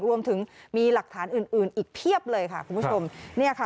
รวมถึงมีหลักฐานอื่นอื่นอีกเพียบเลยค่ะคุณผู้ชมเนี่ยค่ะ